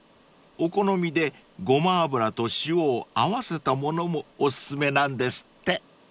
お好みでごま油と塩を合わせたものもお薦めなんですって］